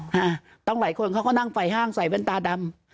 ฮะต้องหลายคนเขาก็นั่งไฟห้างใส่แว่นตาดำ